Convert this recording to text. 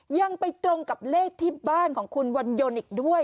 ยังไปตรงกับเลขที่บ้านของคุณวันยนต์อีกด้วย